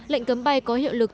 lệnh cấm bay có hiệu lực